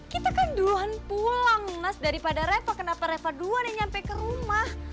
kita kan duluan pulang mas daripada reva kenapa reva duluan yang nyampe ke rumah